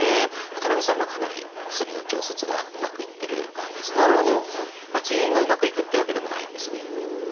渡辺さんはかなり薬の調節がうまくいってる場合ですけれども全員がうまくいくってわけでもないんですね。